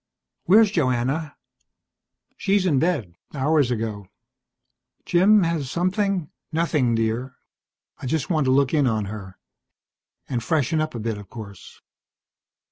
"Where's Joanna?" "She's in bed. Hours ago. Jim, has something ?" "Nothing, dear. I just want to look in on her. And freshen up a bit, of course."